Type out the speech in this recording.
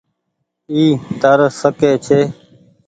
اي تر سڪي ڇي۔